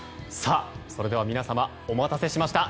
それでは皆様お待たせしました。